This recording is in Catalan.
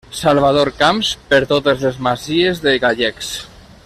Salvador Camps per totes les masies de Gallecs.